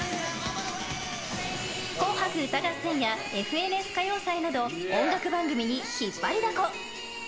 「紅白歌合戦」や「ＦＮＳ歌謡祭」など音楽番組に引っ張りだこ。